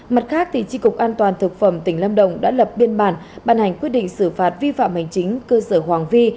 mặt khác tri cục an toàn thực phẩm tỉnh lâm đồng đã lập biên bản bàn hành quyết định xử phạt vi phạm hành chính cơ sở hoàng vi